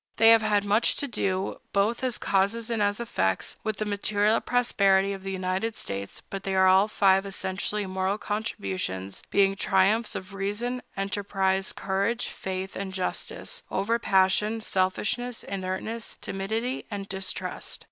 They have had much to do, both as causes and as effects, with the material prosperity of the United States; but they are all five essentially moral contributions, being triumphs of reason, enterprise, courage, faith, and justice, over passion, selfishness, inertness, timidity, and distrust.